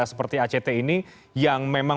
seperti act ini yang memang